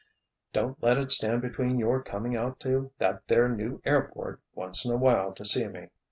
"Don't let it stand between your coming out to that there new airport once in awhile to see me.